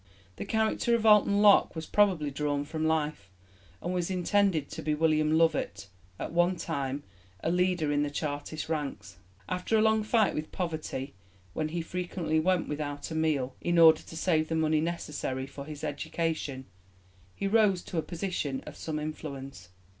The character of Alton Locke was probably drawn from life, and was intended to be William Lovett, at one time a leader in the Chartist ranks. After a long fight with poverty, when he frequently went without a meal in order to save the money necessary for his education, he rose to a position of some influence.